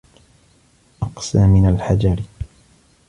أقسى من الحجر